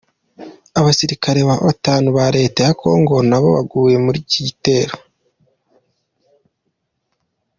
Abasirikare batanu ba leta ya Congo nabo baguye muri icyo gitero.